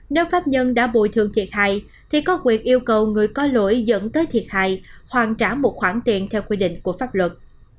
nếu pháp nhân đã bồi thường thiệt hại thì có quyền yêu cầu người có lỗi dẫn tới thiệt hại hoàn trả một khoản tiền theo quy định của pháp luật